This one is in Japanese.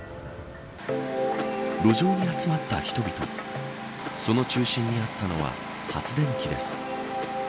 路上に集まった人々その中心にあったのは発電機です。